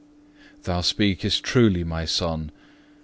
2. "Thou speakest truly, My Son.